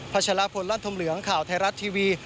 พระชารพลลันทมเหลืองข่าวไทยรัฐทีวี